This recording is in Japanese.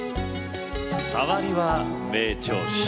「さわりは名調子」。